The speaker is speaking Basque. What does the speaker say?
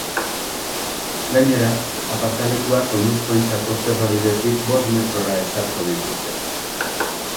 Gainera, aparkalekuak oinezkoentzako zebra-bidetik bost metrora ezarriko dituzte.